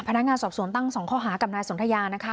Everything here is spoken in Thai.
พนักงานสอบสวนตั้ง๒ข้อหากับนายสนทยานะคะ